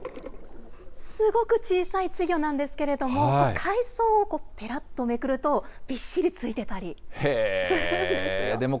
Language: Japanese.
すごく小さい稚魚なんですけれども、海藻をぺらっとめくると、びっしりついてたりするんですよ。